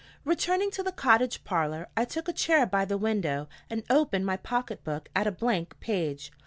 RETURNING to the cottage parlor, I took a chair by the window and opened my pocket book at a blank page.